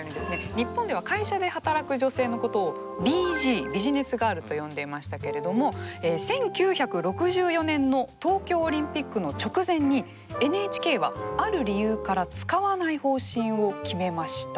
日本では会社で働く女性のことをと呼んでいましたけれども１９６４年の東京オリンピックの直前にＮＨＫはある理由から使わない方針を決めました。